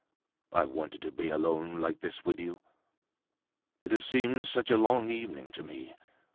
I wanted to be alone like this with you. It has seemed such a long evening to me!